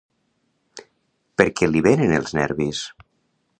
Per què li venen els nervis?